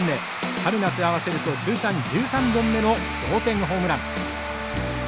春夏合わせると通算１３本目の同点ホームラン。